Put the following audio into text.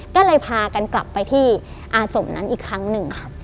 ก็เลยพากันกลับไปที่อาสมนั้นอีกครั้งหนึ่ง